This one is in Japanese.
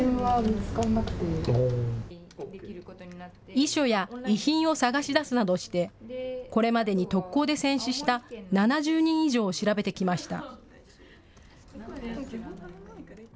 遺書や遺品を探し出すなどしてこれまでに特攻で戦死した７０人以上を調べてきました。